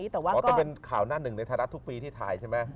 แต่เป็นข่าวหน้าหนึ่งในธรรมดาทุกปีที่ถ่ายใช่ไหม